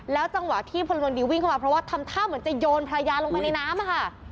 จังหวะที่พลเมืองดีวิ่งเข้ามาเพราะว่าทำท่าเหมือนจะโยนภรรยาลงไปในน้ำอะค่ะ